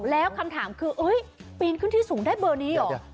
แล้วคำถามคือปีนขึ้นที่สูงได้เบอร์นี้เหรอ